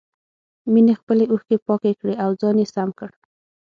مينې خپلې اوښکې پاکې کړې او ځان يې سم کړ.